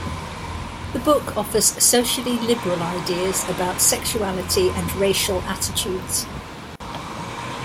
The book offers socially liberal ideas about sexuality and racial attitudes.